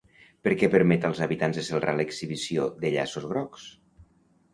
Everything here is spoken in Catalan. Per què permet als habitants de Celrà l'exhibició de llaços grocs?